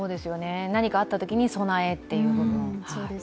何かあったときに備えという部分。